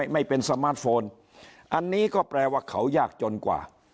ไม่เป็นสมาร์ทโฟนอันนี้ก็แปลว่าเขายากจนกว่า